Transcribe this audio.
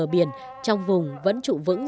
biển trong vùng vẫn trụ vững